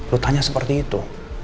lu tanya seperti itu